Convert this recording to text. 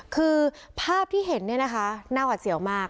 คือภาพที่เห็นเนี่ยนะคะน่าหวัดเสี่ยวมาก